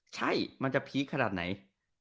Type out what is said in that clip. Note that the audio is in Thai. ใช่มันจะพีคขนาดไหน